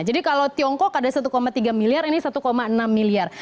jadi kalau tiongkok ada satu tiga miliar ini satu enam miliar